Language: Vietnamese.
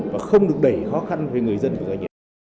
và không được đẩy khó khăn về người dân và doanh nghiệp